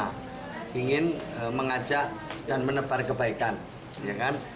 kita ingin mengajak dan menebar kebaikan ya kan